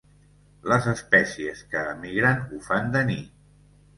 Les espècies que emigren ho fan de nit.